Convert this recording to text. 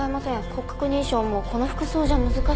骨格認証もこの服装じゃ難しいし。